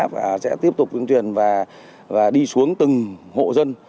và sẽ tiếp tục ứng truyền và đi xuống từng hộ dân